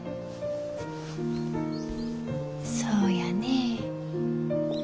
そうやね。